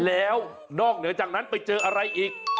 แล้วนอกเหนือจากนั้นไปเจออะไรอีก